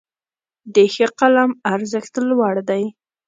د ښه قلم ارزښت لوړ دی.